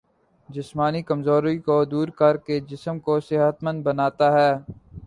جسمانی کمزوری کو دور کرکے جسم کو صحت مند بناتا ہے